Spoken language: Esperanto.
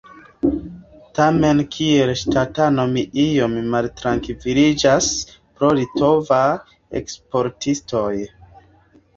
Tamen kiel ŝtatano mi iom maltrankviliĝas pro litovaj eksportistoj.